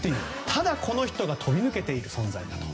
ただ、この人がとびぬけている存在だと。